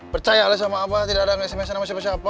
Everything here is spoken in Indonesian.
percayalah sama abah tidak ada sms an sama siapa siapa